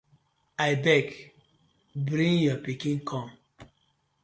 I beg bring yo pikin kom.